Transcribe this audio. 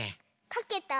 かけた？